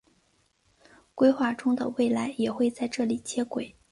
规划中的未来也会在这里接轨。